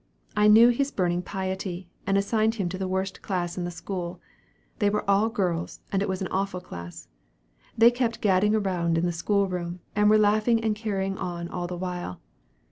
I knew his burning piety, and assigned him to the worst class in the school. They were all girls, and it was an awful class. They kept gadding around in the schoolroom, and were laughing and carrying on all the while.